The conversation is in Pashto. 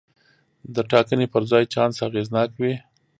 د ټاکنې پر ځای چانس اغېزناک وي.